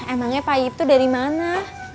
emangnya pak yib tuh dari mana